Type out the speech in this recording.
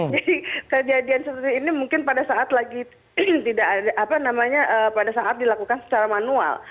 jadi kejadian seperti ini mungkin pada saat lagi apa namanya pada saat dilakukan secara manual